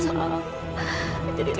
saya akan menangkan dia